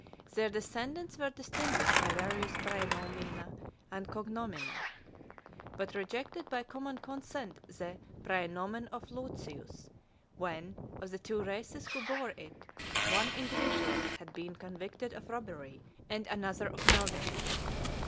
Their descendants were distinguished by various praenomina and cognomina , but rejected by common consent the praenomen of (193) Lucius, when, of the two races who bore it, one individual had been convicted of robbery, and another of murder.